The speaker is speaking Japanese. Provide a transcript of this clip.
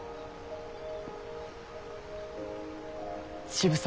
渋沢。